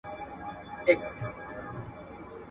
ډېر شکر بدن ستړی کوي.